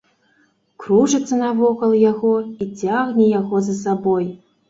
Кружыцца навокал яго і цягне яго за сабой.